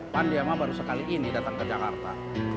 pandiyama baru sekali ini datang ke jakarta